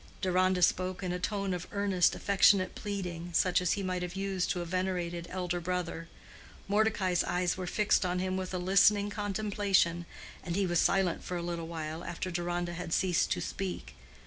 Deronda spoke in a tone of earnest, affectionate pleading, such as he might have used to a venerated elder brother. Mordecai's eyes were fixed on him with a listening contemplation, and he was silent for a little while after Deronda had ceased to speak.